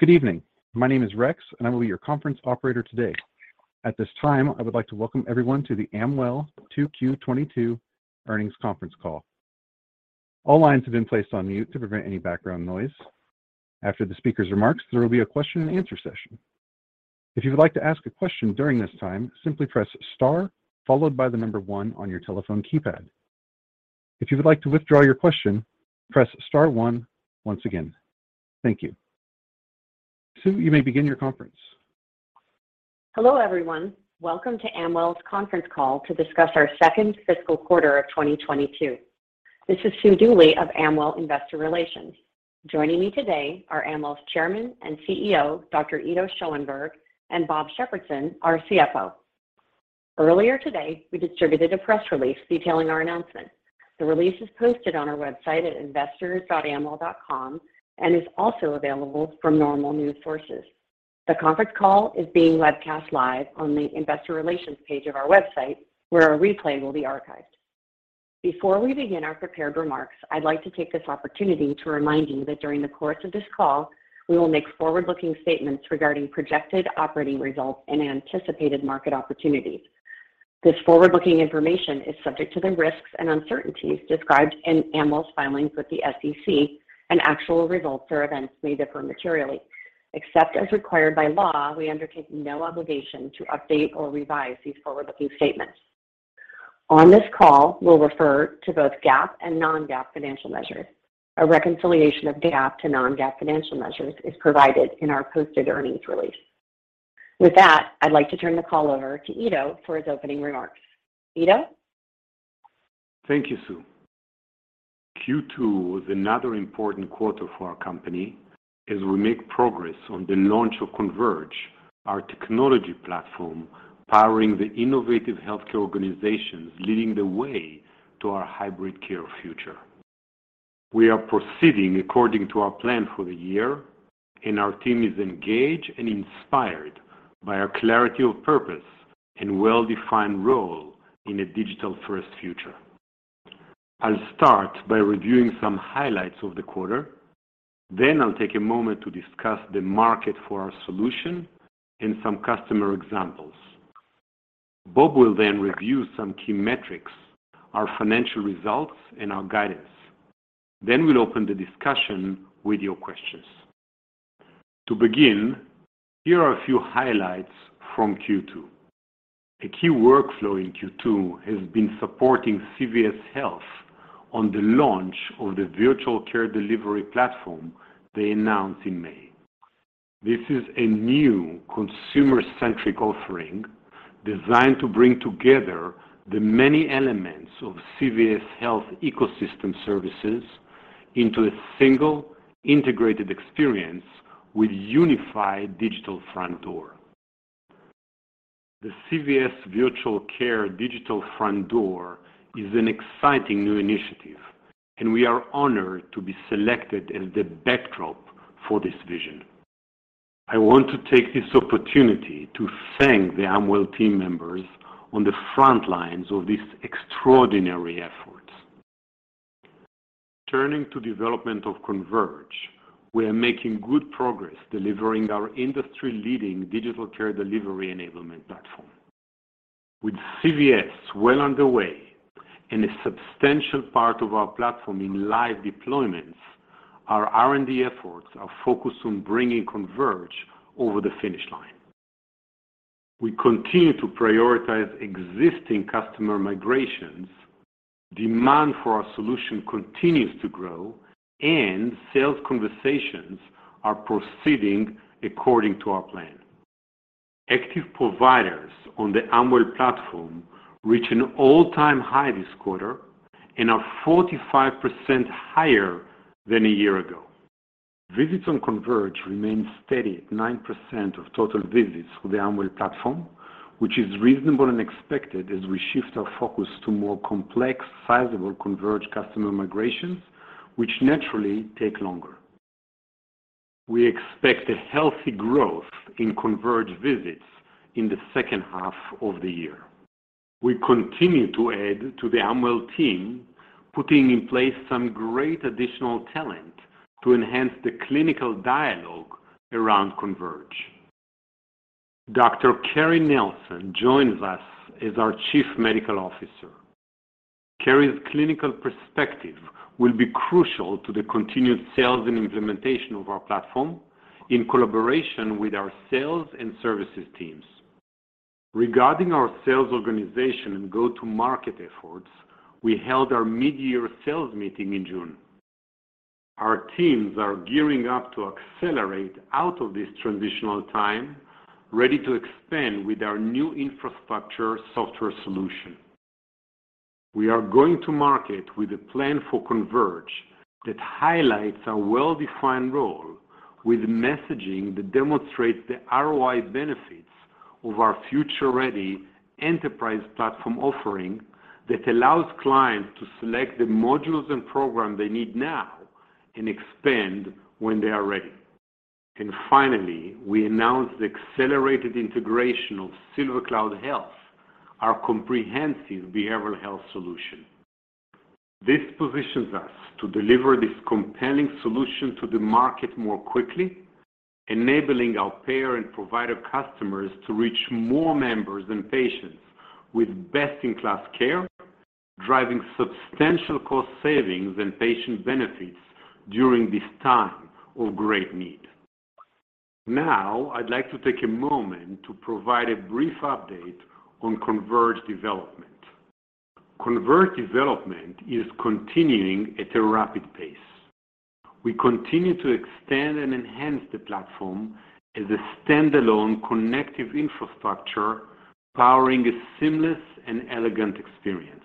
Good evening. My name is Rex, and I will be your conference operator today. At this time, I would like to welcome everyone to the Amwell 2022 Earnings Conference Call. All lines have been placed on mute to prevent any background noise. After the speaker's remarks, there will be a Q&A session. If you would like to ask a question during this time, simply press star followed by the number one on your telephone keypad. If you would like to withdraw your question, press star one once again. Thank you. Sue, you may begin your conference. Hello, everyone. Welcome to Amwell's Conference Call to discuss our second fiscal quarter of 2022. This is Sue Dooley of Amwell Investor Relations. Joining me today are Amwell's Chairman and CEO, Dr. Ido Schoenberg, and Bob Shepardson, our CFO. Earlier today, we distributed a press release detailing our announcement. The release is posted on our website at investors.amwell.com and is also available from normal news sources. The conference call is being webcast live on the investor relations page of our website, where a replay will be archived. Before we begin our prepared remarks, I'd like to take this opportunity to remind you that during the course of this call, we will make forward-looking statements regarding projected operating results and anticipated market opportunities. This forward-looking information is subject to the risks and uncertainties described in Amwell's filings with the SEC, and actual results or events may differ materially. Except as required by law, we undertake no obligation to update or revise these forward-looking statements. On this call, we'll refer to both GAAP and non-GAAP financial measures. A reconciliation of GAAP to non-GAAP financial measures is provided in our posted earnings release. With that, I'd like to turn the call over to Ido for his opening remarks. Ido? Thank you, Sue. Q2 was another important quarter for our company as we make progress on the launch of Converge, our technology platform powering the innovative healthcare organizations leading the way to our hybrid care future. We are proceeding according to our plan for the year, and our team is engaged and inspired by our clarity of purpose and well-defined role in a digital-first future. I'll start by reviewing some highlights of the quarter. Then I'll take a moment to discuss the market for our solution and some customer examples. Bob will then review some key metrics, our financial results, and our guidance. Then we'll open the discussion with your questions. To begin, here are a few highlights from Q2. A key workflow in Q2 has been supporting CVS Health on the launch of the virtual care delivery platform they announced in May. This is a new consumer-centric offering designed to bring together the many elements of CVS Health ecosystem services into a single integrated experience with unified digital front door. The CVS Virtual Care digital front door is an exciting new initiative, and we are honored to be selected as the backdrop for this vision. I want to take this opportunity to thank the Amwell team members on the front lines of this extraordinary effort. Turning to development of Converge, we are making good progress delivering our industry-leading digital care delivery enablement platform. With CVS well underway and a substantial part of our platform in live deployments, our R&D efforts are focused on bringing Converge over the finish line. We continue to prioritize existing customer migrations. Demand for our solution continues to grow, and sales conversations are proceeding according to our plan. Active providers on the Amwell platform reached an all-time high this quarter and are 45% higher than a year ago. Visits on Converge remain steady at 9% of total visits to the Amwell platform, which is reasonable and expected as we shift our focus to more complex, sizable Converge customer migrations, which naturally take longer. We expect a healthy growth in Converge visits in the second half of the year. We continue to add to the Amwell team, putting in place some great additional talent to enhance the clinical dialogue around Converge. Dr. Carrie Nelson joins us as our Chief Medical Officer. Carrie's clinical perspective will be crucial to the continued sales and implementation of our platform in collaboration with our sales and services teams. Regarding our sales organization and go-to-market efforts, we held our mid-year sales meeting in June. Our teams are gearing up to accelerate out of this transitional time, ready to expand with our new infrastructure software solution. We are going to market with a plan for Converge that highlights our well-defined role with messaging that demonstrates the ROI benefits of our future-ready enterprise platform offering that allows clients to select the modules and program they need now and expand when they are ready. Finally, we announced the accelerated integration of SilverCloud Health, our comprehensive behavioral health solution. This positions us to deliver this compelling solution to the market more quickly, enabling our payer and provider customers to reach more members and patients with best-in-class care, driving substantial cost savings and patient benefits during this time of great need. Now, I'd like to take a moment to provide a brief update on Converge development. Converge development is continuing at a rapid pace. We continue to extend and enhance the platform as a standalone connective infrastructure, powering a seamless and elegant experience.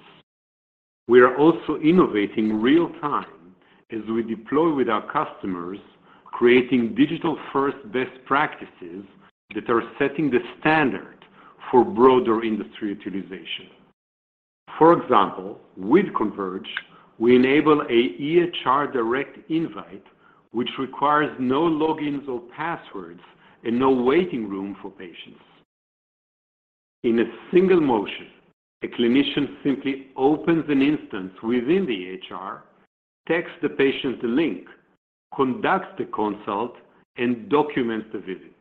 We are also innovating real-time as we deploy with our customers, creating digital-first best practices that are setting the standard for broader industry utilization. For example, with Converge, we enable an EHR direct invite which requires no logins or passwords and no waiting room for patients. In a single motion, a clinician simply opens an instance within the EHR, texts the patient the link, conducts the consult, and documents the visit.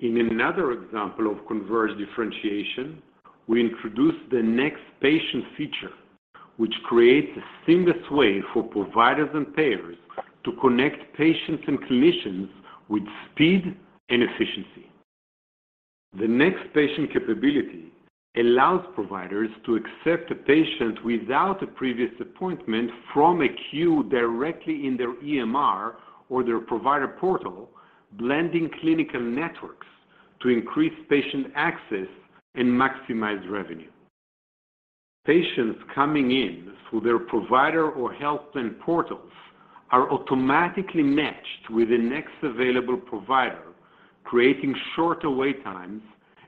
In another example of Converge differentiation, we introduced the next patient feature, which creates a seamless way for providers and payers to connect patients and clinicians with speed and efficiency. The next patient capability allows providers to accept a patient without a previous appointment from a queue directly in their EMR or their provider portal, blending clinical networks to increase patient access and maximize revenue. Patients coming in through their provider or health plan portals are automatically matched with the next available provider, creating shorter wait times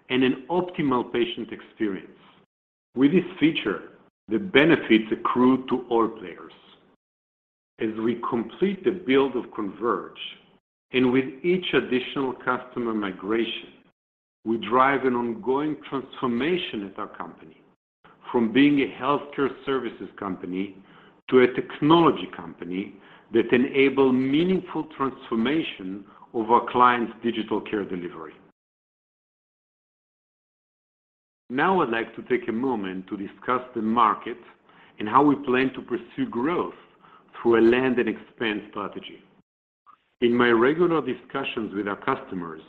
and an optimal patient experience. With this feature, the benefits accrue to all players. As we complete the build of Converge, and with each additional customer migration, we drive an ongoing transformation at our company from being a healthcare services company to a technology company that enable meaningful transformation of our clients' digital care delivery. Now I'd like to take a moment to discuss the market and how we plan to pursue growth through a land and expand strategy. In my regular discussions with our customers,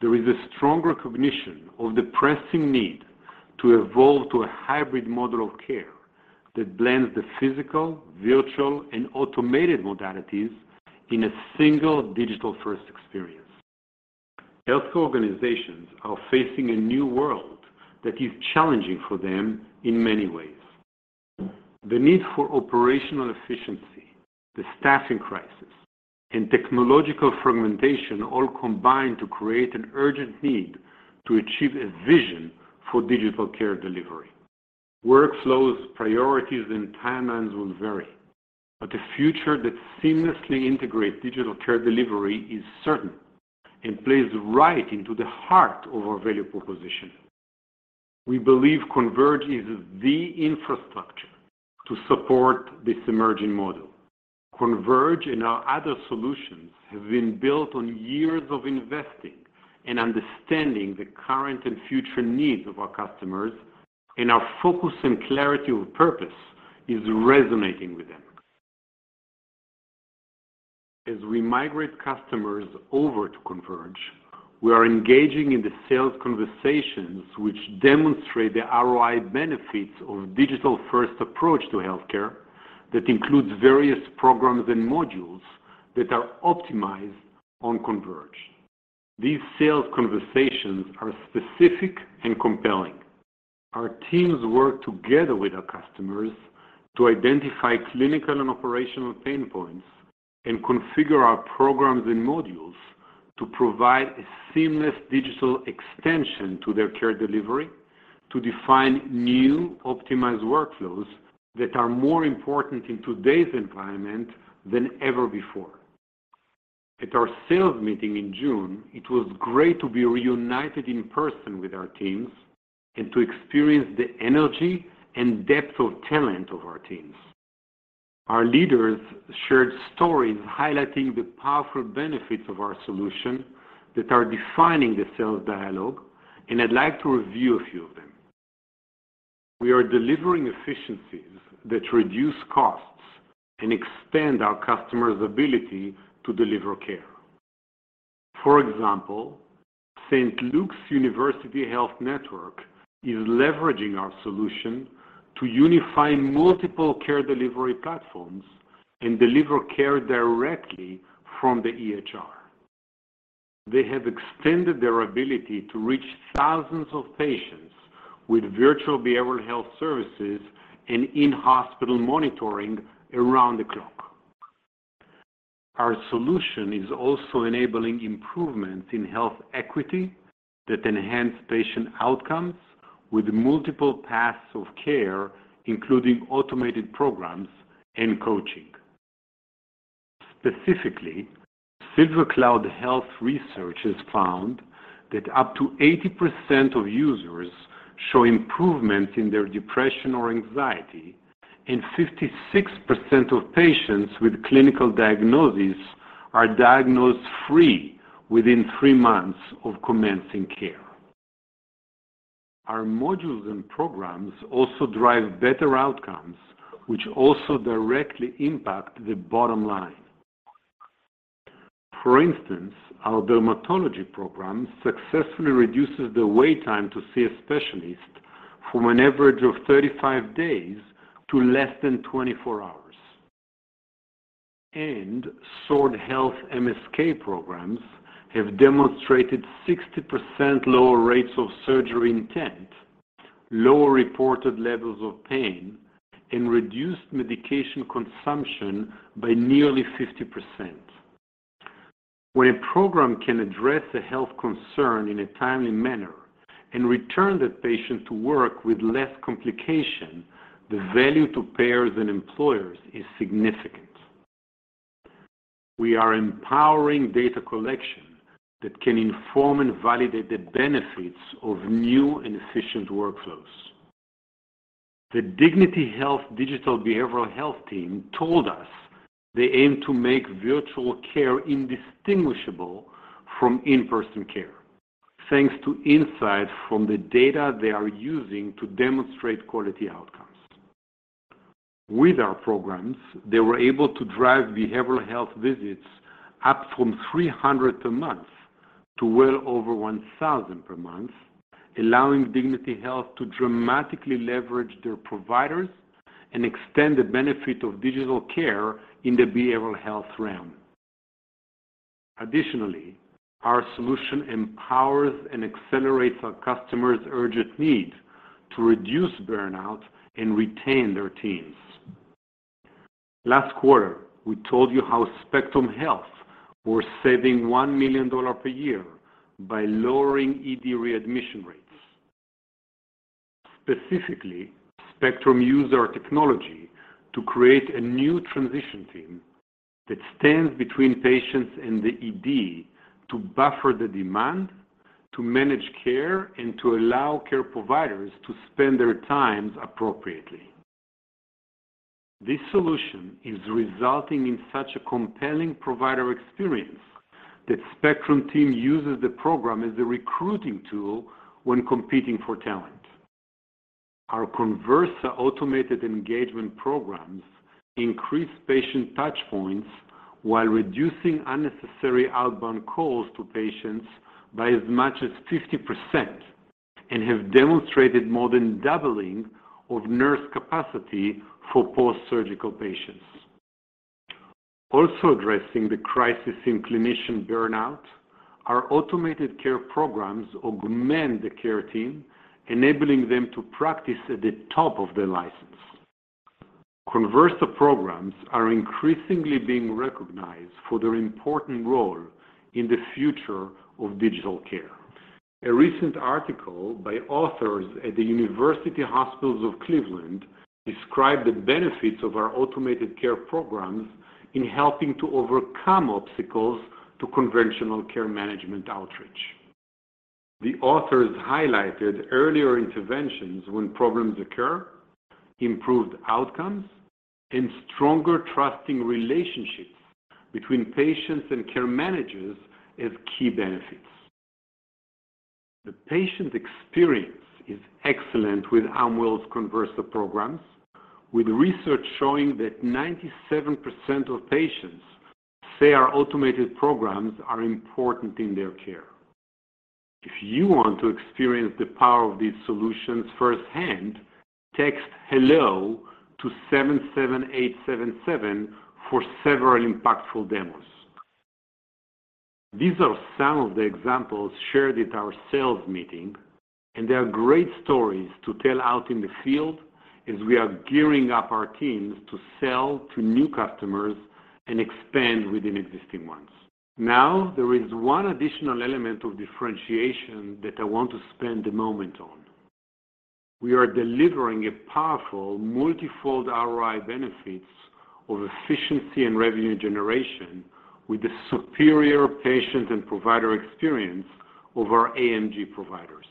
there is a strong recognition of the pressing need to evolve to a hybrid model of care that blends the physical, virtual, and automated modalities in a single digital-first experience. Healthcare organizations are facing a new world that is challenging for them in many ways. The need for operational efficiency, the staffing crisis, and technological fragmentation all combine to create an urgent need to achieve a vision for digital care delivery. Workflows, priorities, and timelines will vary, but the future that seamlessly integrates digital care delivery is certain and plays right into the heart of our value proposition. We believe Converge is the infrastructure to support this emerging model. Converge and our other solutions have been built on years of investing and understanding the current and future needs of our customers, and our focus and clarity of purpose is resonating with them. As we migrate customers over to Converge, we are engaging in the sales conversations which demonstrate the ROI benefits of digital-first approach to healthcare that includes various programs and modules that are optimized on Converge. These sales conversations are specific and compelling. Our teams work together with our customers to identify clinical and operational pain points and configure our programs and modules to provide a seamless digital extension to their care delivery to define new optimized workflows that are more important in today's environment than ever before. At our sales meeting in June, it was great to be reunited in person with our teams and to experience the energy and depth of talent of our teams. Our leaders shared stories highlighting the powerful benefits of our solution that are defining the sales dialogue, and I'd like to review a few of them. We are delivering efficiencies that reduce costs and extend our customers' ability to deliver care. For example, St. Luke's University Health Network is leveraging our solution to unify multiple care delivery platforms and deliver care directly from the EHR. They have extended their ability to reach thousands of patients with virtual behavioral health services and in-hospital monitoring around the clock. Our solution is also enabling improvements in health equity that enhance patient outcomes with multiple paths of care, including automated programs and coaching. Specifically, SilverCloud Health researchers found that up to 80% of users show improvement in their depression or anxiety, and 56% of patients with clinical diagnosis are symptom-free within three months of commencing care. Our modules and programs also drive better outcomes, which also directly impact the bottom line. For instance, our dermatology program successfully reduces the wait time to see a specialist from an average of 35 days to less than 24 hours. Sword Health MSK programs have demonstrated 60% lower rates of surgery intent, lower reported levels of pain, and reduced medication consumption by nearly 50%. When a program can address a health concern in a timely manner and return the patient to work with less complication, the value to payers and employers is significant. We are empowering data collection that can inform and validate the benefits of new and efficient workflows. The Dignity Health digital behavioral health team told us they aim to make virtual care indistinguishable from in-person care, thanks to insight from the data they are using to demonstrate quality outcomes. With our programs, they were able to drive behavioral health visits up from 300 per month to well over 1,000 per month, allowing Dignity Health to dramatically leverage their providers and extend the benefit of digital care in the behavioral health realm. Additionally, our solution empowers and accelerates our customers' urgent need to reduce burnout and retain their teams. Last quarter, we told you how Spectrum Health were saving $1 million per year by lowering ED readmission rates. Specifically, Spectrum used our technology to create a new transition team that stands between patients and the ED to buffer the demand, to manage care, and to allow care providers to spend their times appropriately. This solution is resulting in such a compelling provider experience that Spectrum team uses the program as a recruiting tool when competing for talent. Our Conversa automated engagement programs increase patient touch points while reducing unnecessary outbound calls to patients by as much as 50% and have demonstrated more than doubling of nurse capacity for post-surgical patients. Also addressing the crisis in clinician burnout, our automated care programs augment the care team, enabling them to practice at the top of their license. Conversa programs are increasingly being recognized for their important role in the future of digital care. A recent article by authors at the University Hospitals Cleveland Medical Center described the benefits of our automated care programs in helping to overcome obstacles to conventional care management outreach. The authors highlighted earlier interventions when problems occur, improved outcomes, and stronger trusting relationships between patients and care managers as key benefits. The patient experience is excellent with Amwell's Conversa programs, with research showing that 97% of patients say our automated programs are important in their care. If you want to experience the power of these solutions firsthand, text Hello to 77877 for several impactful demos. These are some of the examples shared at our sales meeting, and they are great stories to tell out in the field as we are gearing up our teams to sell to new customers and expand within existing ones. Now, there is one additional element of differentiation that I want to spend a moment on. We are delivering a powerful multifold ROI benefits of efficiency and revenue generation with the superior patient and provider experience of our AMG providers.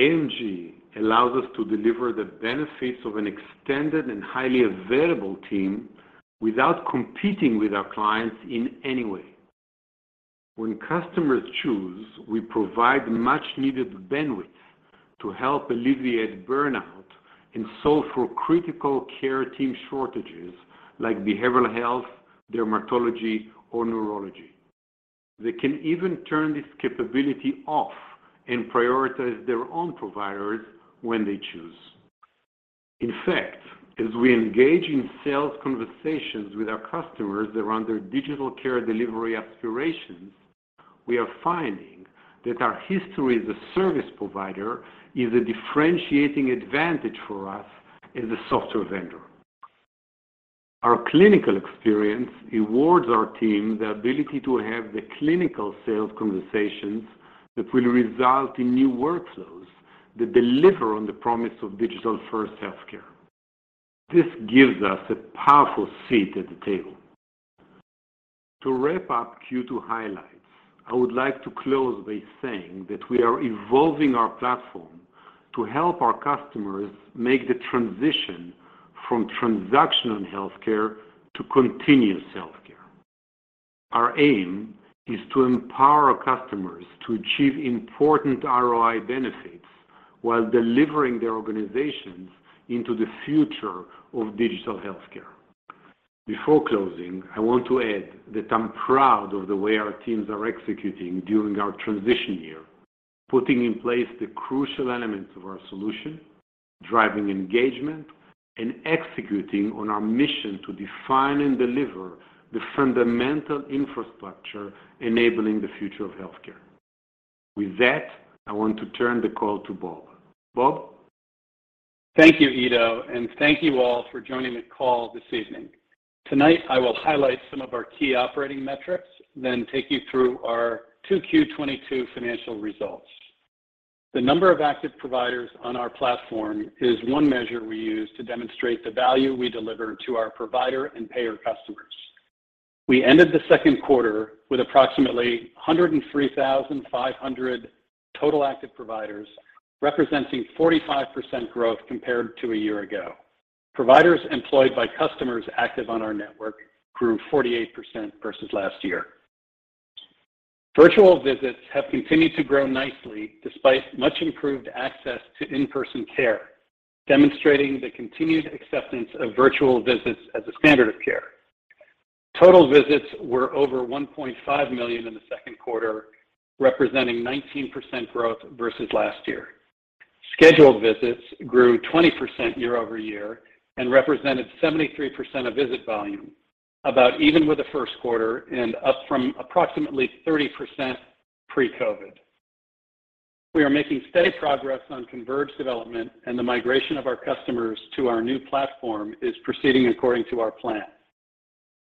AMG allows us to deliver the benefits of an extended and highly available team without competing with our clients in any way. When customers choose, we provide much-needed bandwidth to help alleviate burnout and solve for critical care team shortages like behavioral health, dermatology, or neurology. They can even turn this capability off and prioritize their own providers when they choose. In fact, as we engage in sales conversations with our customers around their digital care delivery aspirations, we are finding that our history as a service provider is a differentiating advantage for us as a software vendor. Our clinical experience awards our team the ability to have the clinical sales conversations that will result in new workflows that deliver on the promise of digital-first healthcare. This gives us a powerful seat at the table. To wrap up Q2 highlights, I would like to close by saying that we are evolving our platform to help our customers make the transition from transactional healthcare to continuous healthcare. Our aim is to empower customers to achieve important ROI benefits while delivering their organizations into the future of digital healthcare. Before closing, I want to add that I'm proud of the way our teams are executing during our transition year, putting in place the crucial elements of our solution, driving engagement, and executing on our mission to define and deliver the fundamental infrastructure enabling the future of healthcare. With that, I want to turn the call to Bob. Bob? Thank you, Ido, and thank you all for joining the call this evening. Tonight, I will highlight some of our key operating metrics, then take you through our Q2 2022 financial results. The number of active providers on our platform is one measure we use to demonstrate the value we deliver to our provider and payer customers. We ended the second quarter with approximately 103,500 total active providers, representing 45% growth compared to a year ago. Providers employed by customers active on our network grew 48% versus last year. Virtual visits have continued to grow nicely despite much improved access to in-person care, demonstrating the continued acceptance of virtual visits as a standard of care. Total visits were over 1.5 million in the second quarter, representing 19% growth versus last year. Scheduled visits grew 20% YoY and represented 73% of visit volume, about even with the first quarter and up from approximately 30% pre-COVID. We are making steady progress on Converge development, and the migration of our customers to our new platform is proceeding according to our plan.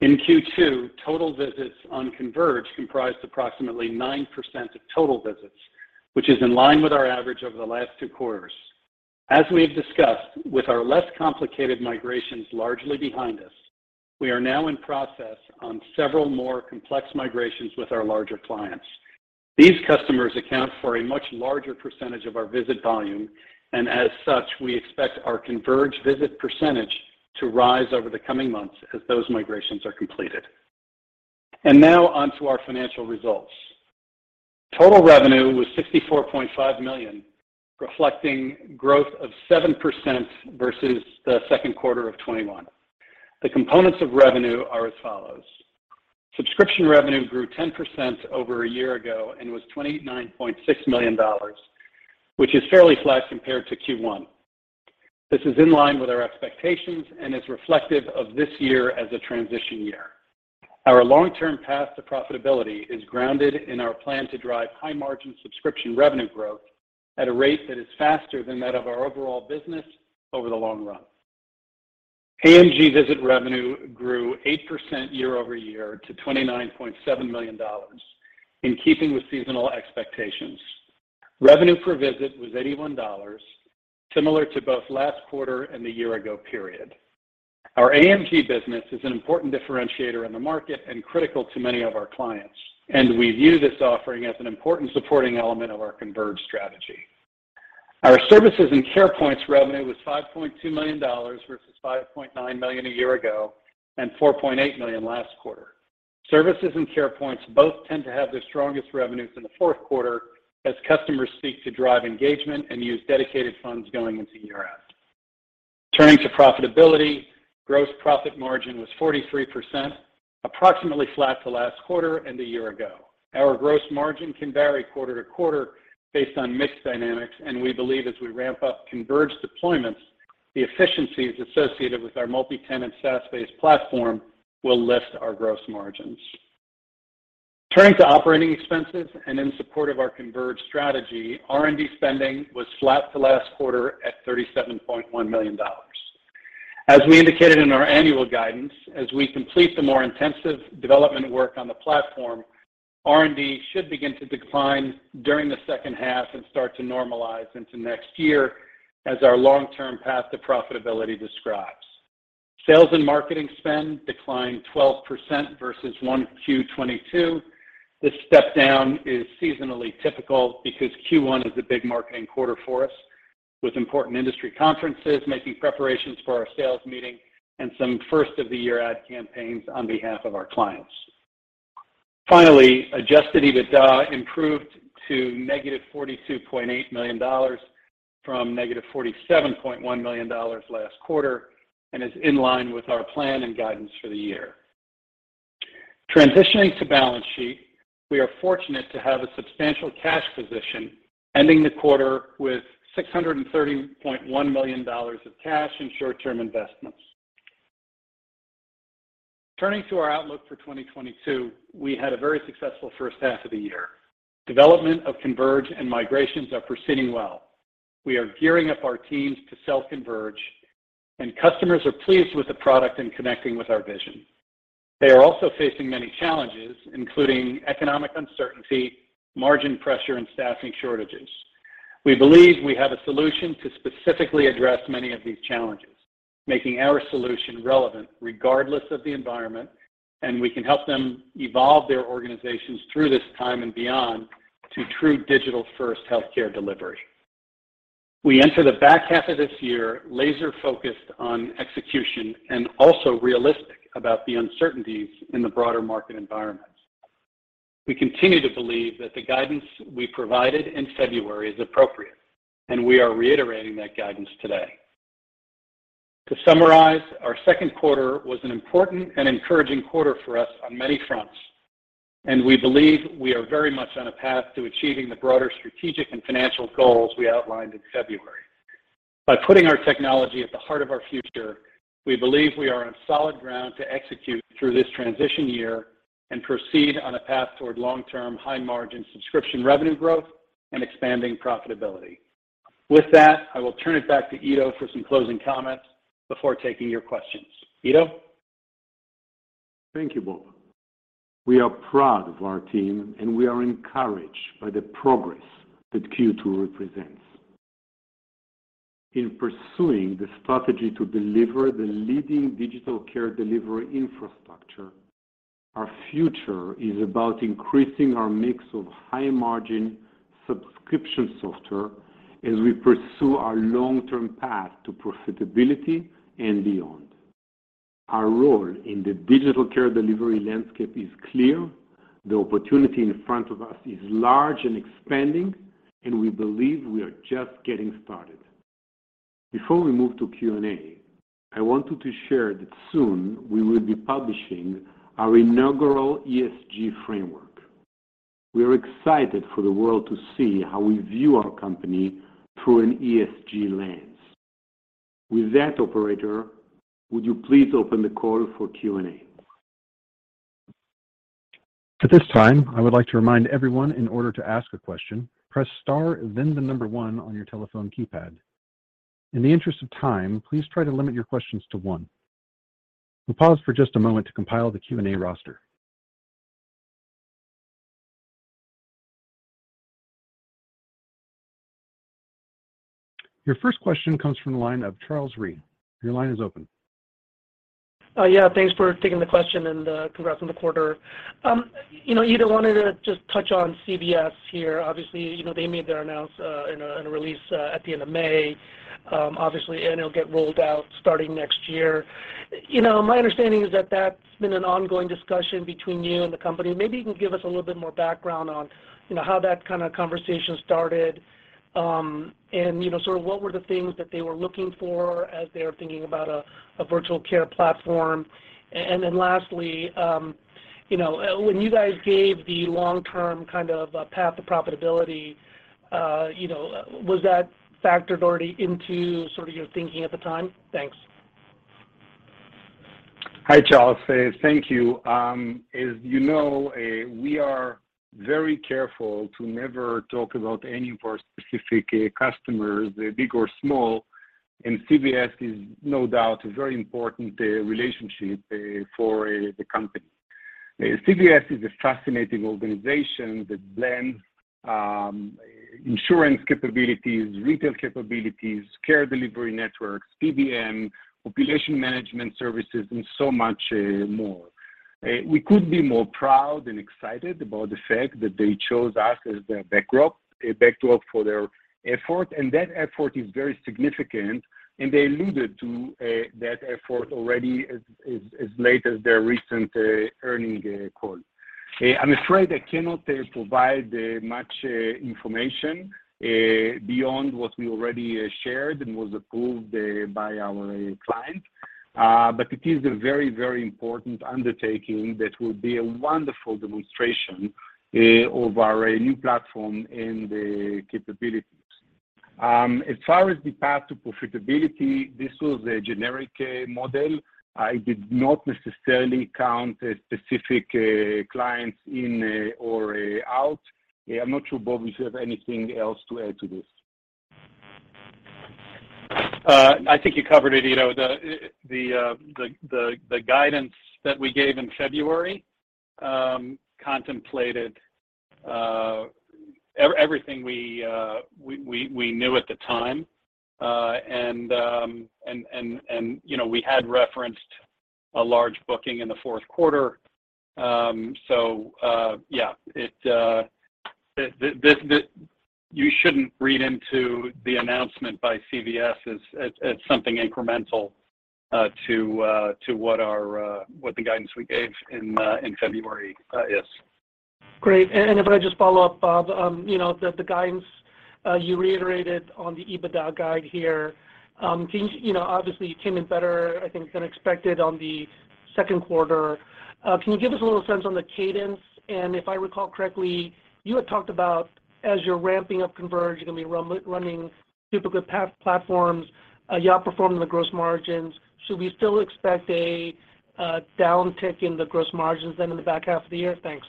In Q2, total visits on Converge comprised approximately 9% of total visits, which is in line with our average over the last two quarters. As we have discussed, with our less complicated migrations largely behind us, we are now in process on several more complex migrations with our larger clients. These customers account for a much larger percentage of our visit volume, and as such, we expect our Converge visit percentage to rise over the coming months as those migrations are completed. Now on to our financial results. Total revenue was $64.5 million, reflecting growth of 7% versus Q2 2021. The components of revenue are as follows. Subscription revenue grew 10% over a year ago and was $29.6 million, which is fairly flat compared to Q1. This is in line with our expectations and is reflective of this year as a transition year. Our long-term path to profitability is grounded in our plan to drive high-margin subscription revenue growth at a rate that is faster than that of our overall business over the long run. AMG visit revenue grew 8% YoY to $29.7 million in keeping with seasonal expectations. Revenue per visit was $81, similar to both last quarter and the year-ago period. Our AMG business is an important differentiator in the market and critical to many of our clients, and we view this offering as an important supporting element of our Converge strategy. Our services and Carepoints revenue was $5.2 million versus $5.9 million a year ago and $4.8 million last quarter. Services and Carepoints both tend to have their strongest revenues in the fourth quarter as customers seek to drive engagement and use dedicated funds going into year-end. Turning to profitability, gross profit margin was 43%, approximately flat to last quarter and a year ago. Our gross margin can vary quarter to quarter based on mix dynamics, and we believe as we ramp up Converge deployments, the efficiencies associated with our multi-tenant SaaS-based platform will lift our gross margins. Turning to OpExs and in support of our Converge strategy, R&D spending was flat to last quarter at $37.1 million. As we indicated in our annual guidance, as we complete the more intensive development work on the platform, R&D should begin to decline during the second half and start to normalize into next year as our long-term path to profitability describes. Sales and marketing spend declined 12% versus 1Q22. This step down is seasonally typical because Q1 is a big marketing quarter for us, with important industry conferences making preparations for our sales meeting and some first-of-the-year ad campaigns on behalf of our clients. Finally, Adjusted EBITDA improved to -$42.8 million from -$47.1 million last quarter and is in line with our plan and guidance for the year. Transitioning to balance sheet, we are fortunate to have a substantial cash position ending the quarter with $630.1 million of cash and short-term investments. Turning to our outlook for 2022, we had a very successful first half of the year. Development of Converge and migrations are proceeding well. We are gearing up our teams to sell Converge, and customers are pleased with the product and connecting with our vision. They are also facing many challenges, including economic uncertainty, margin pressure, and staffing shortages. We believe we have a solution to specifically address many of these challenges, making our solution relevant regardless of the environment, and we can help them evolve their organizations through this time and beyond to true digital-first healthcare delivery. We enter the back half of this year laser-focused on execution and also realistic about the uncertainties in the broader market environment. We continue to believe that the guidance we provided in February is appropriate, and we are reiterating that guidance today. To summarize, our second quarter was an important and encouraging quarter for us on many fronts, and we believe we are very much on a path to achieving the broader strategic and financial goals we outlined in February. By putting our technology at the heart of our future, we believe we are on solid ground to execute through this transition year and proceed on a path toward long-term, high-margin subscription revenue growth and expanding profitability. With that, I will turn it back to Ido for some closing comments before taking your questions. Ido? Thank you, Bob. We are proud of our team, and we are encouraged by the progress that Q2 represents. In pursuing the strategy to deliver the leading digital care delivery infrastructure, our future is about increasing our mix of high-margin subscription software as we pursue our long-term path to profitability and beyond. Our role in the digital care delivery landscape is clear. The opportunity in front of us is large and expanding, and we believe we are just getting started. Before we move to Q&A, I wanted to share that soon we will be publishing our inaugural ESG framework. We are excited for the world to see how we view our company through an ESG lens. With that, operator, would you please open the call for Q&A? At this time, I would like to remind everyone in order to ask a question, press star, then the number one on your telephone keypad. In the interest of time, please try to limit your questions to one. We'll pause for just a moment to compile the Q&A roster. Your first question comes from the line of Charles Rhyee. Your line is open. Yeah, thanks for taking the question and, congrats on the quarter. You know, Ido wanted to just touch on CVS here. Obviously, you know, they made their announcement in a release at the end of May. Obviously, it'll get rolled out starting next year. You know, my understanding is that that's been an ongoing discussion between you and the company. Maybe you can give us a little bit more background on, you know, how that kinda conversation started, and, you know, sort of what were the things that they were looking for as they were thinking about a virtual care platform. Then lastly, you know, when you guys gave the long-term kind of path to profitability, you know, was that factored already into sort of your thinking at the time? Thanks. Hi, Charles. Thank you. As you know, we are very careful to never talk about any of our specific customers, big or small, and CVS is no doubt a very important relationship for the company. CVS is a fascinating organization that blends insurance capabilities, retail capabilities, care delivery networks, PBM, population management services, and so much more. We couldn't be more proud and excited about the fact that they chose us as their backdrop for their effort, and that effort is very significant, and they alluded to that effort already as late as their recent earnings call. I'm afraid I cannot provide much information beyond what we already shared and was approved by our client. It is a very, very important undertaking that will be a wonderful demonstration of our new platform and capabilities. As far as the path to profitability, this was a generic model. I did not necessarily count specific clients in or out. I'm not sure, Bob, if you have anything else to add to this. I think you covered it, Ido. The guidance that we gave in February contemplated everything we knew at the time. You know, we had referenced a large booking in the fourth quarter. You shouldn't read into the announcement by CVS as something incremental to what our guidance we gave in February is. Great. If I just follow up, Bob, you know, the guidance you reiterated on the Adjusted EBITDA guide here. You know, obviously you came in better, I think, than expected on the second quarter. Can you give us a little sense on the cadence? If I recall correctly, you had talked about as you're ramping up Converge, you're gonna be running duplicate parallel platforms, you outperformed the gross margins. Should we still expect a downtick in the gross margins then in the back half of the year? Thanks.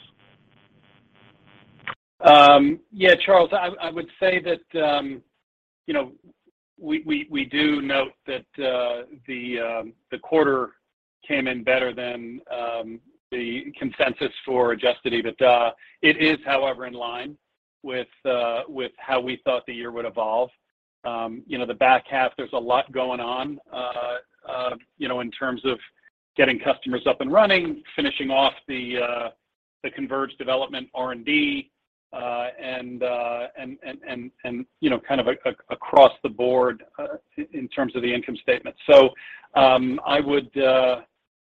Yeah, Charles, I would say that, you know, we do note that the quarter came in better than the consensus for Adjusted EBITDA. It is, however, in line with how we thought the year would evolve. You know, the back half, there's a lot going on, you know, in terms of getting customers up and running, finishing off the Converge development R&D, and you know, kind of across the board, in terms of the income statement.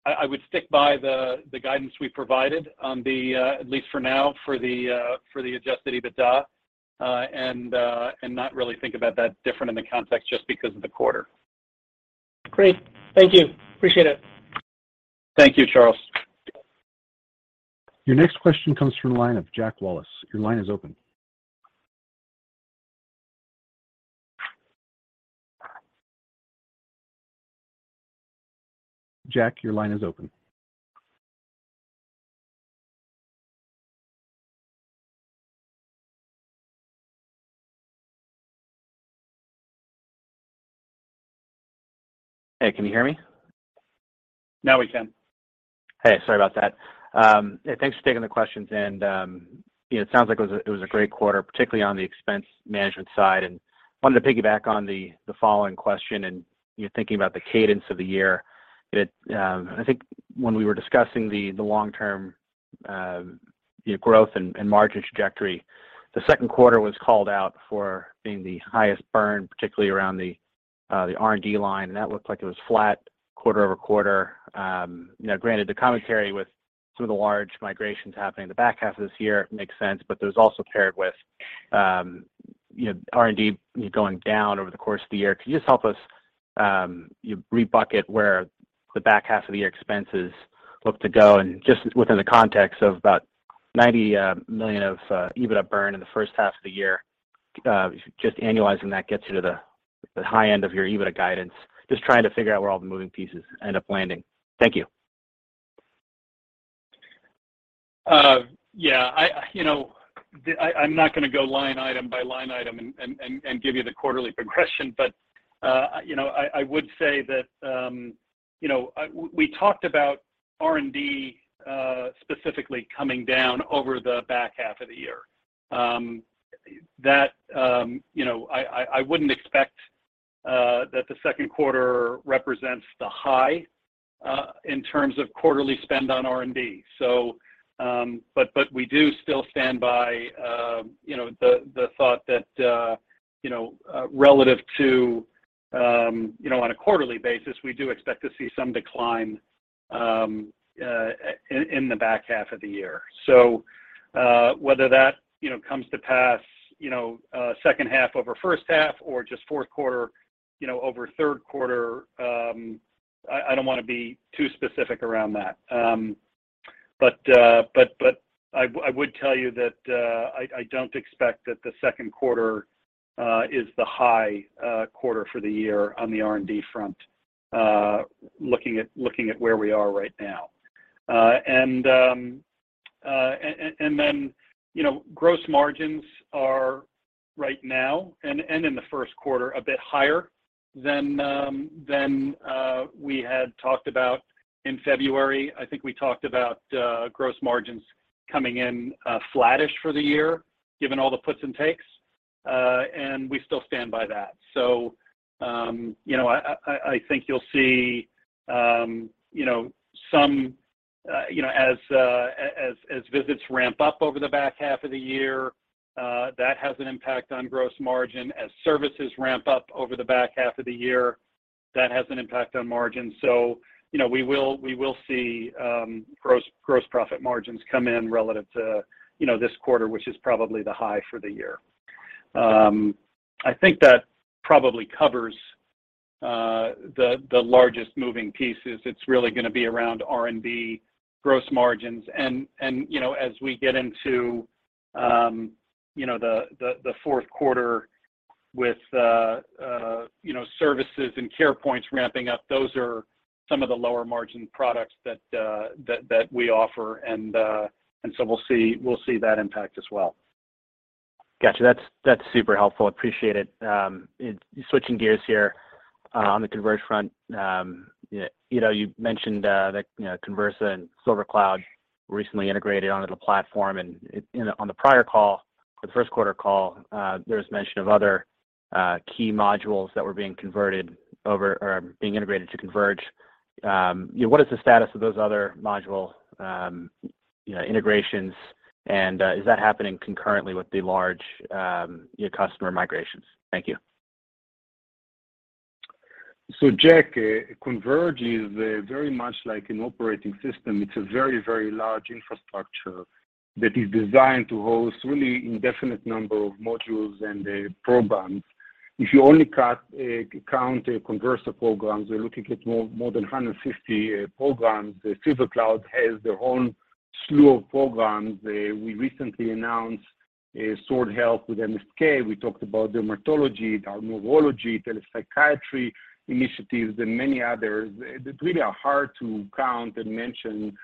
I would stick by the guidance we provided on the, at least for now, for the Adjusted EBITDA, and not really think about that different in the context just because of the quarter. Great. Thank you. Appreciate it. Thank you, Charles. Your next question comes from the line of Jack Wallace. Your line is open. Jack, your line is open. Hey, can you hear me? Now we can. Hey, sorry about that. Yeah, thanks for taking the questions and, you know, it sounds like it was a great quarter, particularly on the expense management side. Wanted to piggyback on the following question and, you know, thinking about the cadence of the year. I think when we were discussing the long-term, you know, growth and margin trajectory, the second quarter was called out for being the highest burn, particularly around the R&D line, and that looked like it was flat QoQ. You know, granted the commentary with some of the large migrations happening in the back half of this year makes sense, but there's also paired with, you know, R&D going down over the course of the year. Could you just help us, you know, rebucket where the back half of the year expenses look to go? Just within the context of about $90 million of Adjusted EBITDA burn in the first half of the year, just annualizing that gets you to the high end of your Adjusted EBITDA guidance. Just trying to figure out where all the moving pieces end up landing. Thank you. You know, I'm not gonna go line item by line item and give you the quarterly progression. You know, I would say that you know we talked about R&D specifically coming down over the back half of the year. You know, I wouldn't expect that the second quarter represents the high in terms of quarterly spend on R&D. We do still stand by you know the thought that you know relative to you know on a quarterly basis we do expect to see some decline in the back half of the year. Whether that, you know, comes to pass, you know, second half over first half or just fourth quarter, you know, over third quarter, I don't wanna be too specific around that. But I would tell you that I don't expect that the second quarter is the high quarter for the year on the R&D front, looking at where we are right now. And then, you know, gross margins are right now and in the first quarter a bit higher than we had talked about in February. I think we talked about gross margins coming in flattish for the year, given all the puts and takes. And we still stand by that. You know, I think you'll see, you know, some, you know, as visits ramp up over the back half of the year, that has an impact on gross margin. As services ramp up over the back half of the year, that has an impact on margin. You know, we will see gross profit margins come in relative to, you know, this quarter, which is probably the high for the year. I think that probably covers the largest moving pieces. It's really gonna be around R&D gross margins. You know, as we get into, you know, the fourth quarter with, you know, services and Carepoints ramping up, those are some of the lower margin products that we offer. We'll see that impact as well. Gotcha. That's super helpful. Appreciate it. Switching gears here, on the Converge front, you know, you mentioned that, you know, Conversa and SilverCloud recently integrated onto the platform. You know, on the prior call, the first quarter call, there was mention of other key modules that were being converted over or being integrated to Converge. You know, what is the status of those other module integrations? And is that happening concurrently with the large customer migrations? Thank you. Jack, Converge is very much like an operating system. It's a very, very large infrastructure that is designed to host really indefinite number of modules and programs. If you only count Conversa Health programs, we're looking at more than 150 programs. SilverCloud Health has their own slew of programs. We recently announced Sword Health with MSK. We talked about dermatology, neurology, telepsychiatry initiatives, and many others that really are hard to count and mention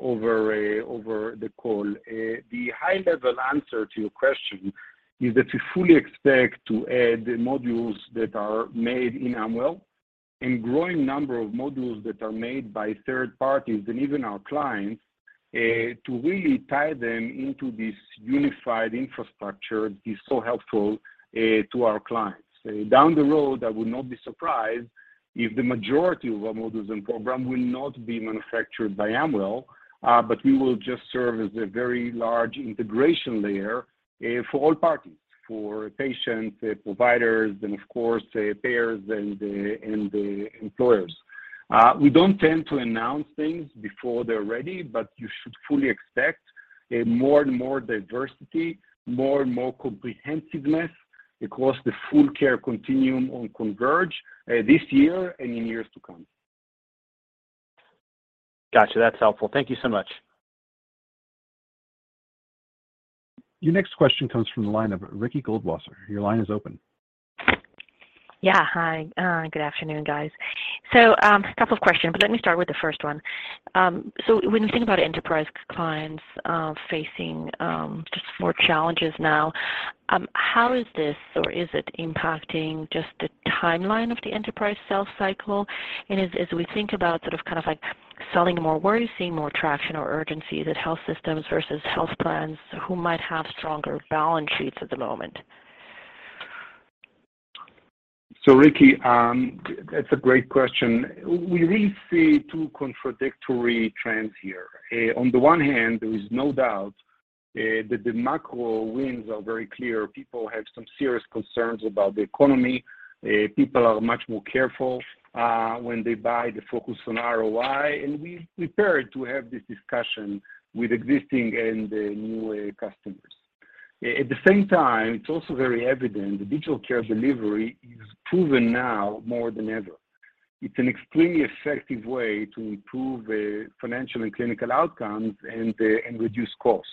over the call. The high-level answer to your question is that we fully expect to add the modules that are made in Amwell and growing number of modules that are made by third parties and even our clients to really tie them into this unified infrastructure is so helpful to our clients. Down the road, I would not be surprised if the majority of our modules and program will not be manufactured by Amwell, but we will just serve as a very large integration layer for all parties, for patients, providers, and of course, payers and the employers. We don't tend to announce things before they're ready, but you should fully expect more and more diversity, more and more comprehensiveness across the full care continuum on Converge this year and in years to come. Got you. That's helpful. Thank you so much. Your next question comes from the line of Ricky Goldwasser. Your line is open. Yeah, hi. Good afternoon, guys. A couple of questions, but let me start with the first one. When you think about enterprise clients facing just more challenges now, how is this or is it impacting just the timeline of the enterprise sales cycle? As we think about sort of, kind of like selling more, where are you seeing more traction or urgency that health systems versus health plans who might have stronger balance sheets at the moment? Ricky, that's a great question. We really see two contradictory trends here. On the one hand, there is no doubt that the macro winds are very clear. People have some serious concerns about the economy. People are much more careful when they buy, the focus on ROI, and we're prepared to have this discussion with existing and new customers. At the same time, it's also very evident that the digital care delivery is proven now more than ever. It's an extremely effective way to improve financial and clinical outcomes and reduce cost.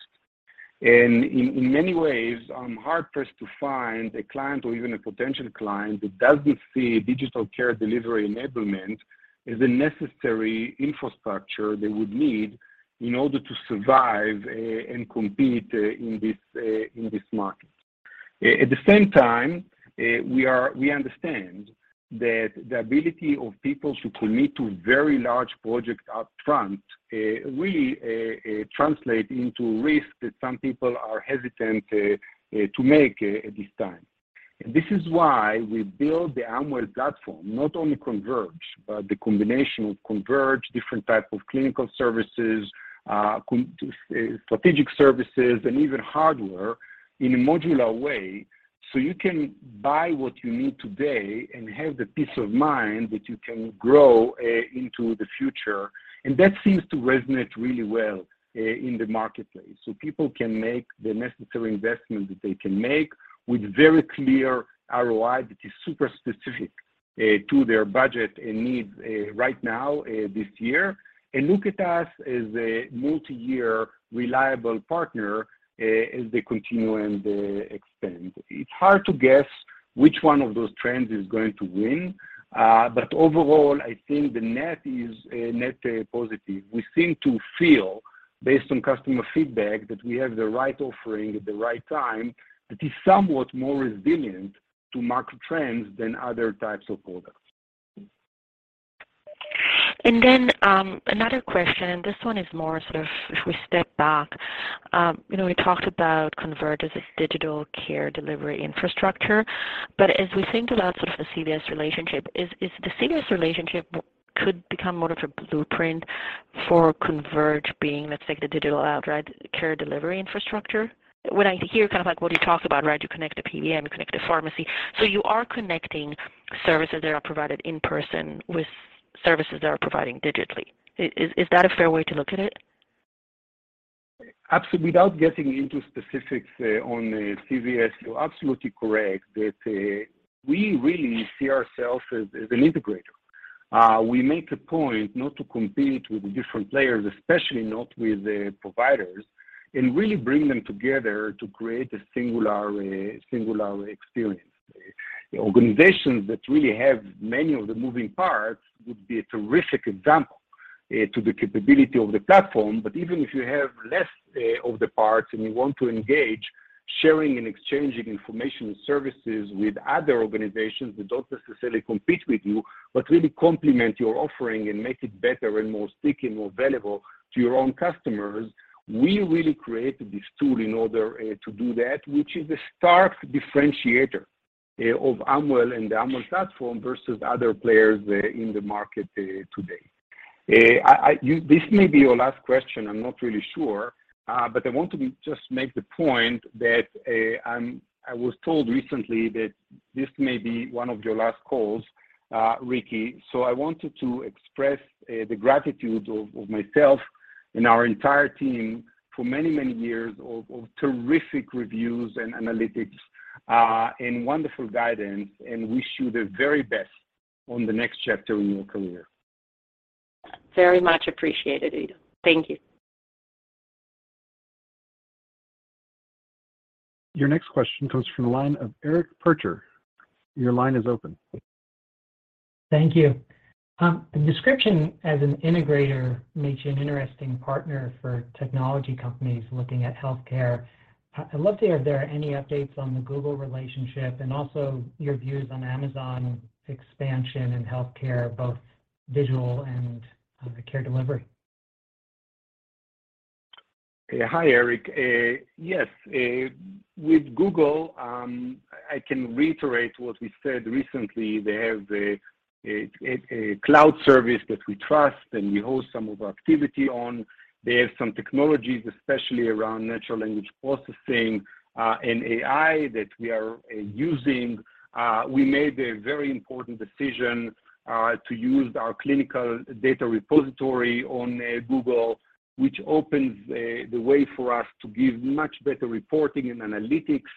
In many ways, I'm hard-pressed to find a client or even a potential client that doesn't see digital care delivery enablement as a necessary infrastructure they would need in order to survive and compete in this market. At the same time, we understand that the ability of people to commit to very large projects up front really translate into risk that some people are hesitant to make at this time. This is why we build the Amwell platform, not only Converge, but the combination of Converge, different types of clinical services, strategic services, and even hardware in a modular way, so you can buy what you need today and have the peace of mind that you can grow into the future. That seems to resonate really well in the marketplace. People can make the necessary investment that they can make with very clear ROI that is super specific to their budget and needs right now, this year, and look at us as a multi-year reliable partner as they continue and they expand. It's hard to guess which one of those trends is going to win, but overall, I think the net is a net positive. We seem to feel, based on customer feedback, that we have the right offering at the right time that is somewhat more resilient to market trends than other types of products. Another question, and this one is more sort of if we step back, you know, we talked about Converge as a digital care delivery infrastructure. But as we think about sort of the CVS relationship is the CVS relationship could become more of a blueprint for Converge being, let's say, the digital outright care delivery infrastructure. When I hear kind of like what you talk about, right, you connect the PBM, you connect the pharmacy. So you are connecting services that are provided in person with services that are providing digitally. Is that a fair way to look at it? Without getting into specifics on CVS, you're absolutely correct that we really see ourselves as an integrator. We make a point not to compete with the different players, especially not with the providers, and really bring them together to create a singular experience. Organizations that really have many of the moving parts would be a terrific example to the capability of the platform. Even if you have less of the parts and you want to engage, sharing and exchanging information and services with other organizations that don't necessarily compete with you, but really complement your offering and make it better and more sticky, more valuable to your own customers, we really created this tool in order to do that, which is a stark differentiator of Amwell and the Amwell platform versus other players in the market today. This may be your last question. I'm not really sure, but I want to just make the point that I was told recently that this may be one of your last calls, Ricky Goldwasser. I wanted to express the gratitude of myself and our entire team for many years of terrific reviews and analytics, and wonderful guidance, and wish you the very best on the next chapter in your career. Very much appreciated, Ido. Thank you. Your next question comes from the line of Eric Percher. Your line is open. Thank you. Description as an integrator makes you an interesting partner for technology companies looking at healthcare. I'd love to hear if there are any updates on the Google relationship and also your views on Amazon expansion in healthcare, both digital and care delivery. Yeah. Hi, Eric. Yes, with Google, I can reiterate what we said recently. They have a cloud service that we trust, and we host some of our activity on. They have some technologies, especially around natural language processing, and AI that we are using. We made a very important decision to use our clinical data repository on Google, which opens the way for us to give much better reporting and analytics,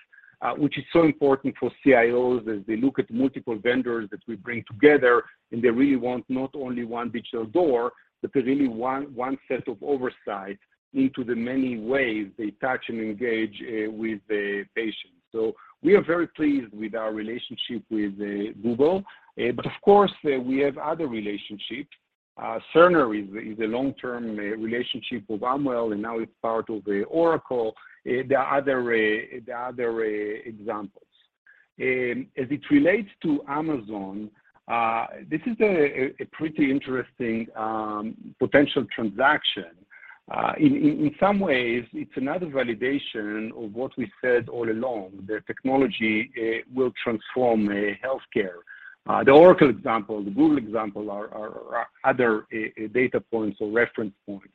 which is so important for CIOs as they look at multiple vendors that we bring together, and they really want not only one digital door, but they really want one set of oversight into the many ways they touch and engage with the patient. We are very pleased with our relationship with Google. But of course, we have other relationships. Cerner is a long-term relationship with Amwell, and now it's part of Oracle. There are other examples. As it relates to Amazon, this is a pretty interesting potential transaction. In some ways it's another validation of what we said all along, that technology will transform healthcare. The Oracle example, the Google example are other data points or reference points.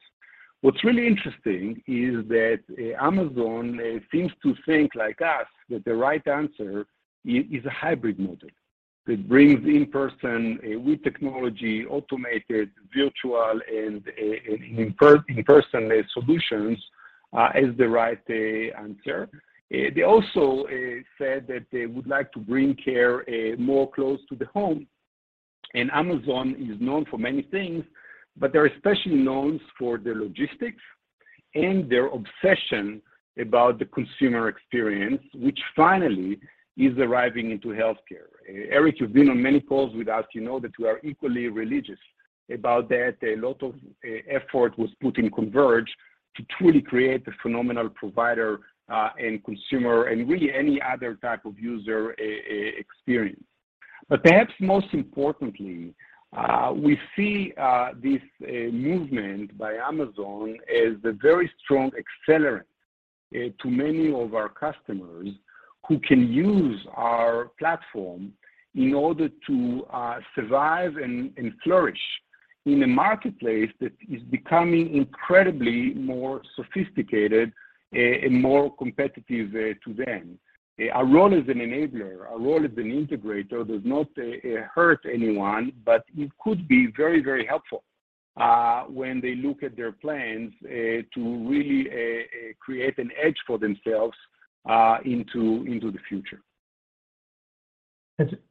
What's really interesting is that Amazon seems to think like us, that the right answer is a hybrid model that brings in person with technology, automated, virtual and in-person solutions is the right answer. They also said that they would like to bring care more close to the home. Amazon is known for many things, but they're especially known for their logistics and their obsession about the consumer experience, which finally is arriving into healthcare. Eric, you've been on many calls with us. You know that we are equally religious about that. A lot of effort was put in Converge to truly create a phenomenal provider, and consumer and really any other type of user experience. But perhaps most importantly, we see this movement by Amazon as a very strong accelerant to many of our customers who can use our platform in order to survive and flourish in a marketplace that is becoming incredibly more sophisticated and more competitive to them. Our role as an enabler, our role as an integrator does not hurt anyone, but it could be very helpful when they look at their plans to really create an edge for themselves into the future.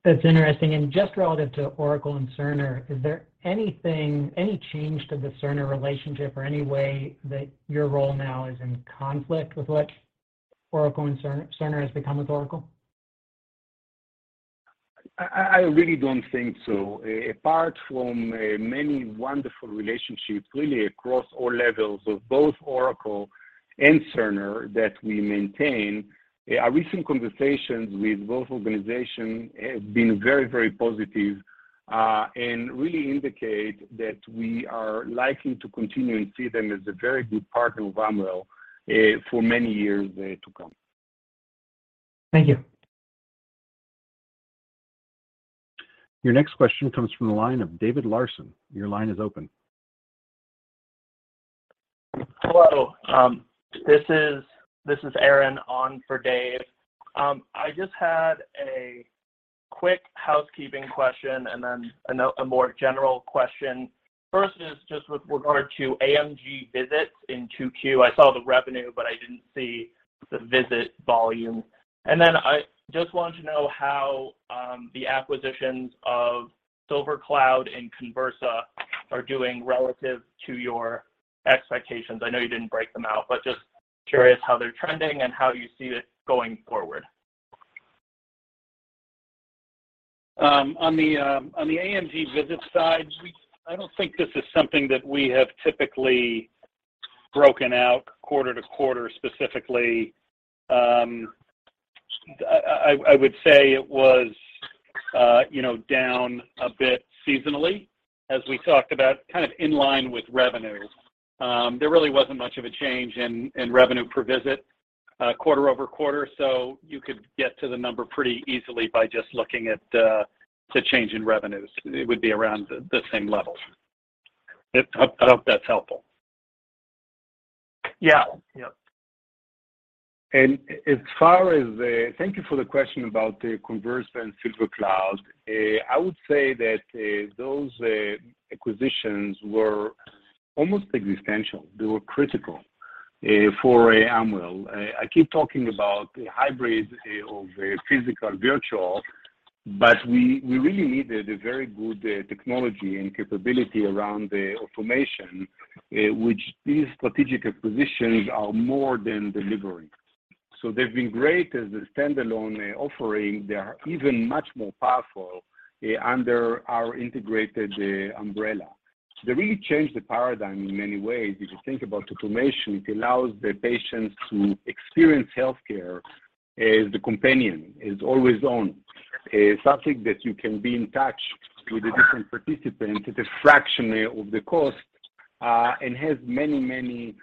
That's interesting. Just relative to Oracle and Cerner, is there anything, any change to the Cerner relationship or any way that your role now is in conflict with what Oracle and Cerner has become with Oracle? I really don't think so. Apart from many wonderful relationships, really across all levels of both Oracle and Cerner that we maintain, our recent conversations with both organizations have been very, very positive, and really indicate that we are likely to continue and see them as a very good partner of Amwell, for many years, to come. Thank you. Your next question comes from the line of David Larsen. Your line is open. Hello. This is Aaron on for David. I just had a quick housekeeping question and then a more general question. First is just with regard to AMG visits in 2Q. I saw the revenue, but I didn't see the visit volume. I just wanted to know how the acquisitions of SilverCloud and Conversa are doing relative to your expectations. I know you didn't break them out, but just curious how they're trending and how you see it going forward. On the AMG visit side, I don't think this is something that we have typically broken out QoQ specifically. I would say it was, you know, down a bit seasonally as we talked about, kind of in line with revenue. There really wasn't much of a change in revenue per visit, QoQ. You could get to the number pretty easily by just looking at the change in revenues. It would be around the same level. I hope that's helpful. Yeah. Yeah. Thank you for the question about the Conversa and SilverCloud. I would say that those acquisitions were almost existential. They were critical for Amwell. I keep talking about the hybrid of the physical virtual, but we really needed a very good technology and capability around the automation, which these strategic acquisitions are more than delivering. They've been great as a standalone offering. They are even much more powerful under our integrated umbrella. They really changed the paradigm in many ways. If you think about information, it allows the patients to experience healthcare as the companion, as always on. Something that you can be in touch with a different participant at a fraction of the cost, and has many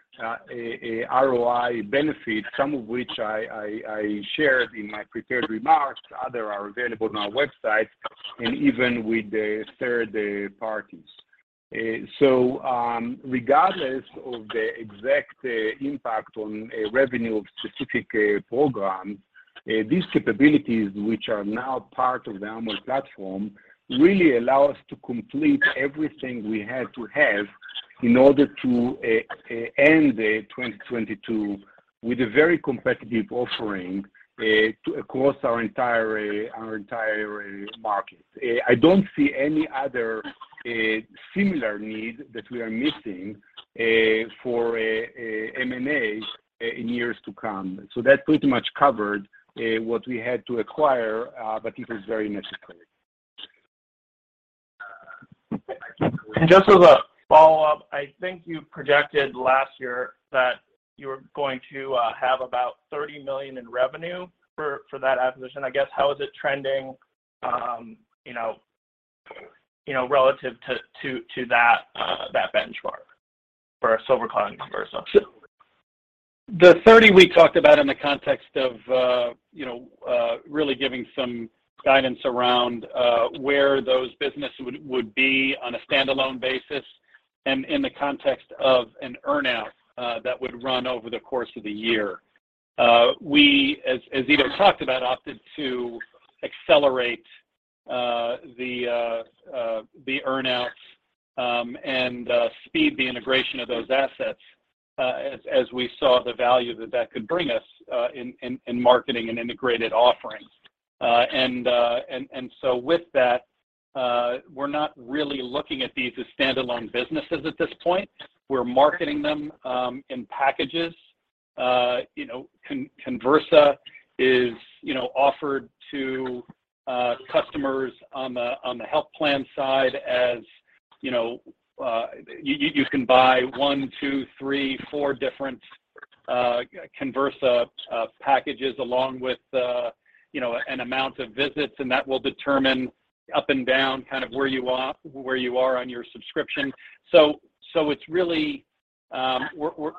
ROI benefits, some of which I shared in my prepared remarks. Others are available on our website and even with the third parties. Regardless of the exact impact on our revenue of specific programs, these capabilities, which are now part of the Amwell platform, really allow us to complete everything we had to have in order to end 2022 with a very competitive offering across our entire market. I don't see any other similar need that we are missing for M&A in years to come. That pretty much covered what we had to acquire, but it was very necessary. Just as a follow-up, I think you projected last year that you were going to have about $30 million in revenue for that acquisition. I guess, how is it trending, you know, relative to that benchmark for SilverCloud and Conversa? The 30 we talked about in the context of, you know, really giving some guidance around, where those businesses would be on a standalone basis and in the context of an earn-out, that would run over the course of the year. We, as Ido talked about, opted to accelerate the earn-outs and speed the integration of those assets, as we saw the value that could bring us in marketing an integrated offerings. With that, we're not really looking at these as standalone businesses at this point. We're marketing them in packages. You know, Conversa is, you know, offered to customers on the health plan side, as you know, you can buy one, two, three, four different Conversa packages along with, you know, an amount of visits, and that will determine up and down kind of where you are on your subscription. It's really,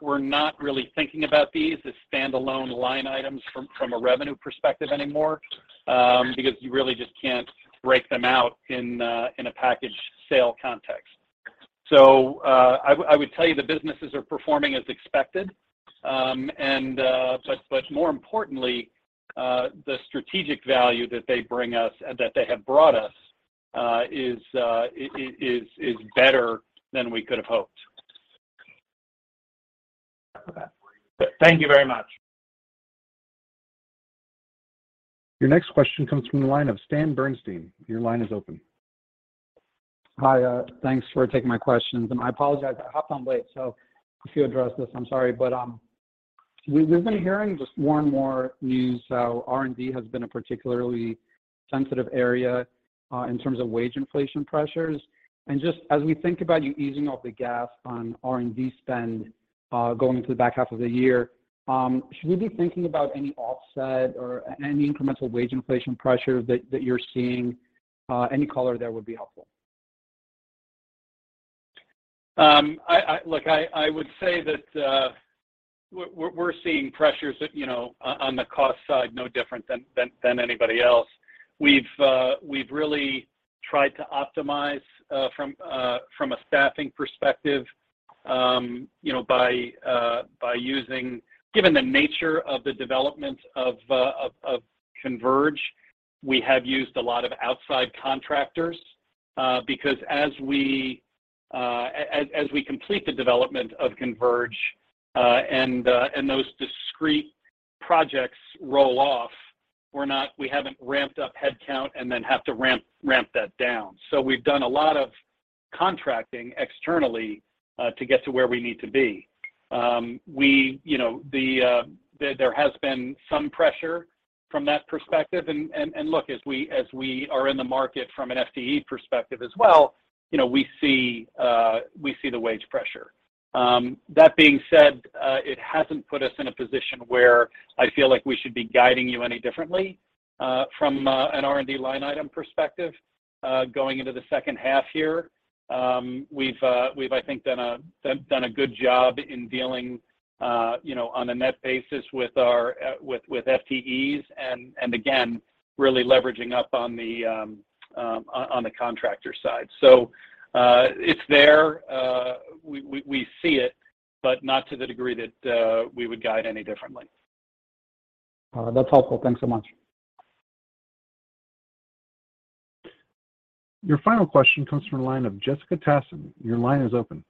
we're not really thinking about these as standalone line items from a revenue perspective anymore, because you really just can't break them out in a package sale context. I would tell you the businesses are performing as expected. More importantly, the strategic value that they bring us, that they have brought us, is better than we could have hoped. Thank you very much. Your next question comes from the line of Stan Berenshteyn. Your line is open. Hi. Thanks for taking my questions, and I apologize I hopped on late. If you addressed this, I'm sorry. We've been hearing just more and more news how R&D has been a particularly sensitive area, in terms of wage inflation pressures. Just as we think about you easing off the gas on R&D spend, going into the back half of the year, should we be thinking about any offset or any incremental wage inflation pressure that you're seeing? Any color there would be helpful. Look, I would say that we're seeing pressures that, you know, on the cost side, no different than anybody else. We've really tried to optimize from a staffing perspective, you know, given the nature of the development of Converge, we have used a lot of outside contractors because as we complete the development of Converge and those discrete projects roll off, we haven't ramped up headcount and then have to ramp that down. We've done a lot of contracting externally to get to where we need to be. You know, there has been some pressure from that perspective. Look, as we are in the market from an FTE perspective as well, you know, we see the wage pressure. That being said, it hasn't put us in a position where I feel like we should be guiding you any differently from an R&D line item perspective going into the second half here. We've, I think, done a good job in dealing, you know, on a net basis with our FTEs and again really leveraging up on the contractor side. It's there. We see it, but not to the degree that we would guide any differently. That's helpful. Thanks so much. Your final question comes from the line of Jessica Tassan. Your line is open.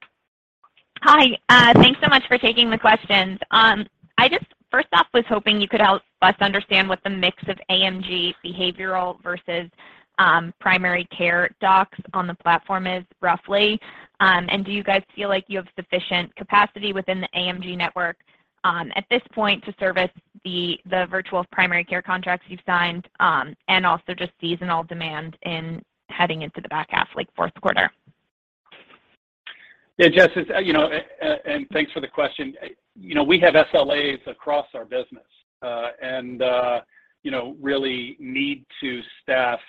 Hi, thanks so much for taking the questions. I just first off was hoping you could help us understand what the mix of AMG behavioral versus primary care docs on the platform is roughly. Do you guys feel like you have sufficient capacity within the AMG network at this point to service the virtual primary care contracts you've signed, and also just seasonal demand heading into the back half, like fourth quarter? Yeah, Jess, as you know, and thanks for the question. You know, we have SLAs across our business, and you know, really need to staff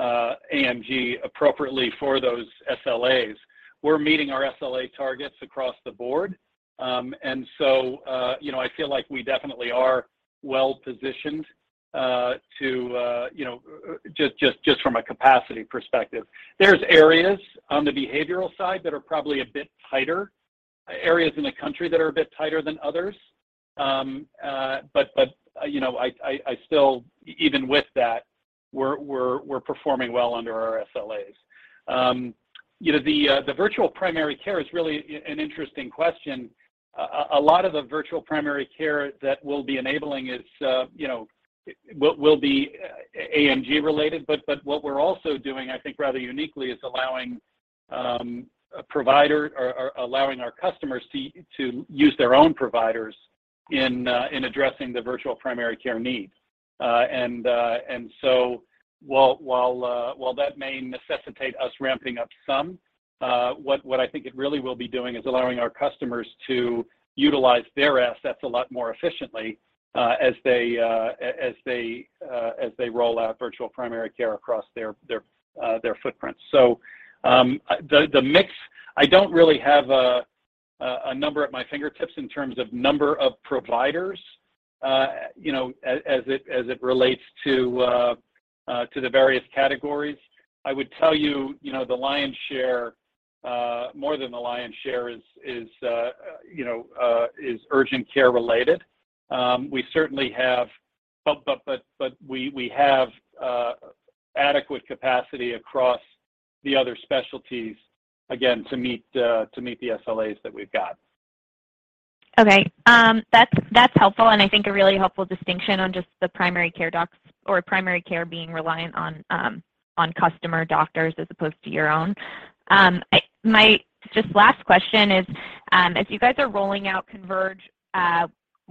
AMG appropriately for those SLAs. We're meeting our SLA targets across the board. You know, I feel like we definitely are well-positioned, you know, just from a capacity perspective. There's areas on the behavioral side that are probably a bit tighter, areas in the country that are a bit tighter than others. You know, I still even with that we're performing well under our SLAs. You know, the virtual primary care is really an interesting question. A lot of the virtual primary care that we'll be enabling is, you know, will be AMG related, but what we're also doing, I think, rather uniquely, is allowing our customers to use their own providers in addressing the virtual primary care needs. While that may necessitate us ramping up some, what I think it really will be doing is allowing our customers to utilize their assets a lot more efficiently, as they roll out virtual primary care across their footprint. The mix, I don't really have a number at my fingertips in terms of number of providers, you know, as it relates to the various categories. I would tell you know, the lion's share, more than the lion's share is urgent care related. We have adequate capacity across the other specialties, again, to meet the SLAs that we've got. Okay. That's helpful and I think a really helpful distinction on just the primary care docs or primary care being reliant on customer doctors as opposed to your own. My just last question is, if you guys are rolling out Converge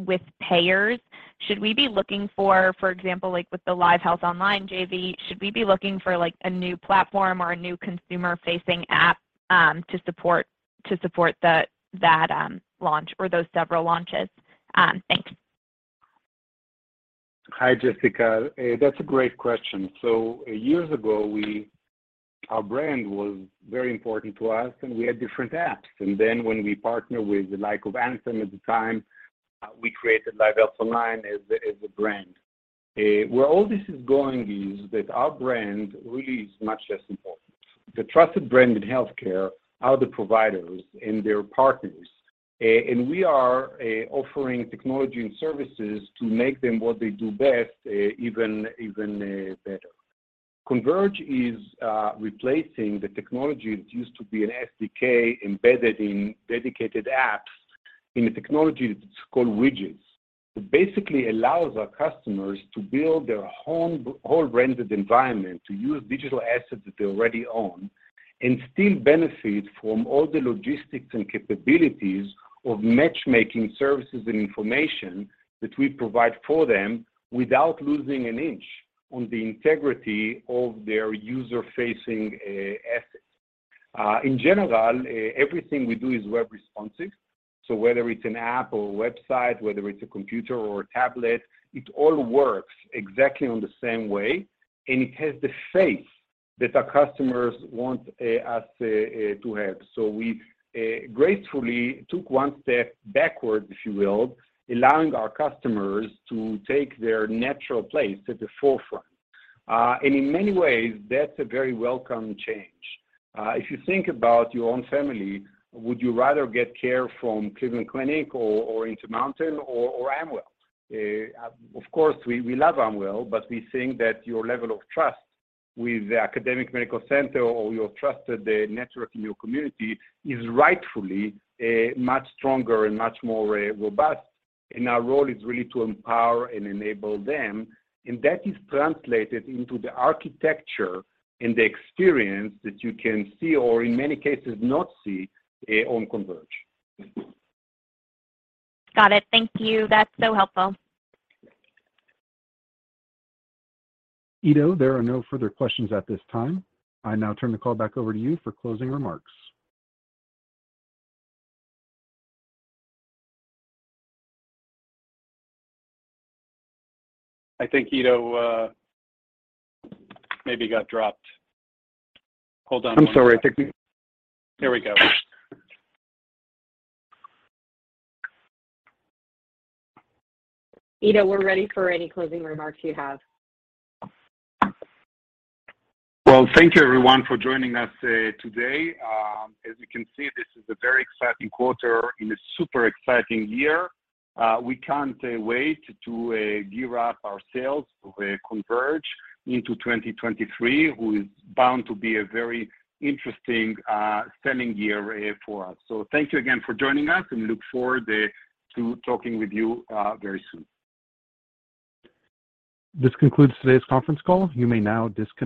with payers, should we be looking for example, like with the LiveHealth Online JV, should we be looking for like a new platform or a new consumer-facing app to support that launch or those several launches? Thanks. Hi, Jessica. That's a great question. Years ago, our brand was very important to us, and we had different apps. Then when we partnered with the likes of Anthem at the time, we created LiveHealth Online as a brand. Where all this is going is that our brand really is much less important. The trusted brand in healthcare are the providers and their partners. We are offering technology and services to make them what they do best, even better. Converge is replacing the technology that used to be an SDK embedded in dedicated apps in a technology that's called widgets. It basically allows our customers to build their own whole branded environment, to use digital assets that they already own, and still benefit from all the logistics and capabilities of matchmaking services and information that we provide for them without losing an inch on the integrity of their user-facing assets. In general, everything we do is web responsive. Whether it's an app or a website, whether it's a computer or a tablet, it all works exactly on the same way, and it has the face that our customers want us to have. We gratefully took one step backward, if you will, allowing our customers to take their natural place at the forefront. In many ways, that's a very welcome change. If you think about your own family, would you rather get care from Cleveland Clinic or Intermountain or Amwell? Of course, we love Amwell, but we think that your level of trust with the academic medical center or your trusted network in your community is rightfully much stronger and much more robust, and our role is really to empower and enable them. That is translated into the architecture and the experience that you can see, or in many cases not see, on Converge. Got it. Thank you. That's so helpful. Ido, there are no further questions at this time. I now turn the call back over to you for closing remarks. I think Ido, maybe got dropped. Hold on one second. I'm sorry. Here we go. Ido, we're ready for any closing remarks you have. Well, thank you everyone for joining us today. As you can see, this is a very exciting quarter and a super exciting year. We can't wait to gear up our sales with Converge into 2023, what is bound to be a very interesting spending year for us. Thank you again for joining us, and we look forward to talking with you very soon. This concludes today's conference call. You may now disconnect.